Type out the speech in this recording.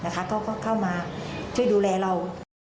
ก็เข้ามาช่วยดูแลเรา